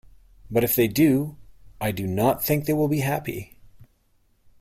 But if they do, I do not think they will be happy.